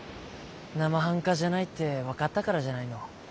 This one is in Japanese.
なまはんかじゃないって分かったからじゃないの。